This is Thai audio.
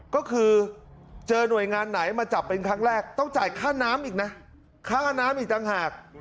ก็คือเจอหน่วยงานไหนมาจับเป็นครั้งแรกต้องจ่ายค่าน้ำอีกนะค่าน้ำอีกต่างหาก